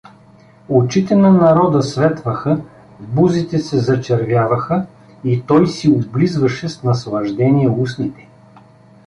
Очите на народа светваха, бузите се зачервяваха и той си облизваше с наслаждение устните.